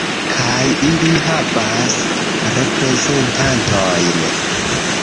Kaj ili havas reprezentantojn.